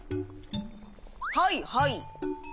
はいはい。